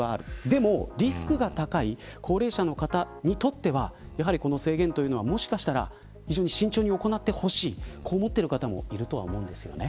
でもリスクが高い高齢者の方にとってはやはり、この制限というのはもしかしたら非常に慎重に行ってほしいこう思ってる方もいるとは思うんですよね。